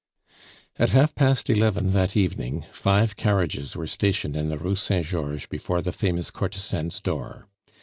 At half past eleven that evening, five carriages were stationed in the Rue Saint Georges before the famous courtesan's door.